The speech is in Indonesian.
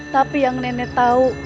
tapi yang nenek tahu